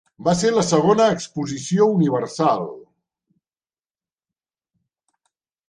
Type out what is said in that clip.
Va ser la segona exposició universal.